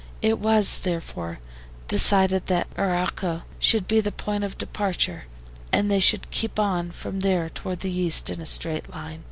It was, therefore, decided that Arauco should be the point of departure, and they should keep on from there toward the east in a straight line.